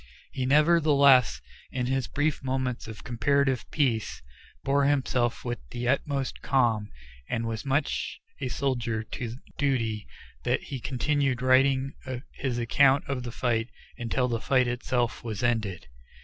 He nevertheless, in his brief moments of comparative peace, bore himself with the utmost calm, and was so much a soldier to duty that he continued writing his account of the fight until the fight itself was ended.